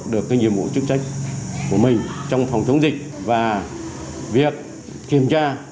được cái nhiệm vụ chức trách của mình trong phòng chống dịch và việc kiểm tra